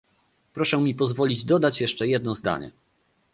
Proszę mi pozwolić dodać jeszcze jedno zdanie